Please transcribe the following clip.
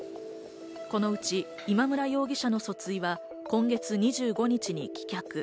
このうち今村容疑者の訴追は今月２５日に棄却。